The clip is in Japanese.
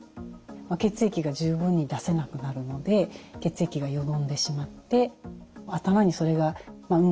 血液が十分に出せなくなるので血液がよどんでしまって頭にそれが運